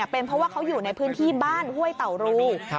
เป็นเพราะว่าเขาอยู่ในพื้นที่บ้านห้วยเต่ารู